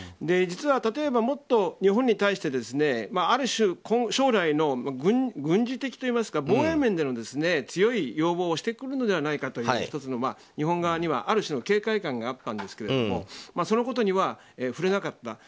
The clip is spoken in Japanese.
実は、例えばもっと日本に対してある種、将来の軍事的というか防衛面での強い要望をしてくるのではないかという１つの日本側には、ある種の警戒感があったんですけどそのことには触れなかった。